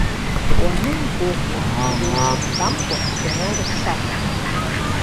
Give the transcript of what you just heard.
Уанымгәыӷӡо, угәуҽанӡамкәа џьара урыԥсахуеит.